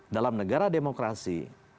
dalam negara demokrasi